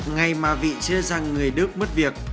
ngay mà vị trí ra rằng người đức mất việc